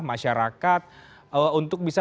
masyarakat untuk bisa